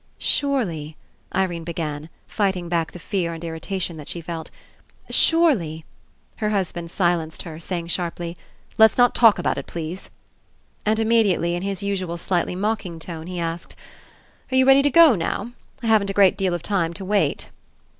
"Surely," Irene began, fighting back the fear and irritation that she felt, "surely —" Her husband silenced her, saying sharply: "Let's not talk about it, please." And immediately, in his usual, slightly mocking tone he asked: "Are you ready to go now? I haven't a great deal of time to wait."